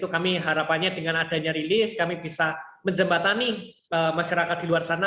kami harapannya dengan adanya rilis kami bisa menjembatani masyarakat di luar sana